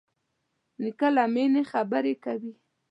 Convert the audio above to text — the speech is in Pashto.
نیکه له مینې خبرې کوي.